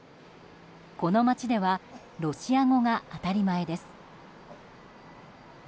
この町ではロシア語が当たり前です。